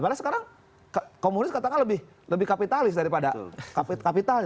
padahal sekarang komunis katakan lebih kapitalis daripada kapitalnya